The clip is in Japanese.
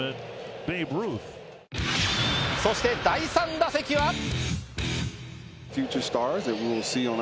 そして第３打席は。